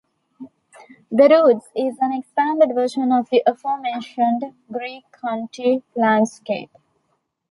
"The roots" is an expanded version of the aforementioned Greek country landscape.